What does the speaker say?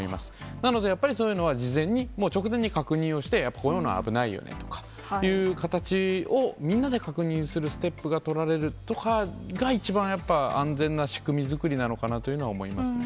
なので、やっぱりそういうのは、事前に、直前に確認をして、こういうのは危ないよねとか、みんなで確認するステップが取られるとかが、一番やっぱ安全な仕組みづくりなのかなというふうには思いましたね。